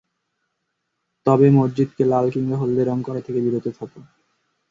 তবে মসজিদকে লাল কিংবা হলদে রং করা থেকে বিরত থাকো।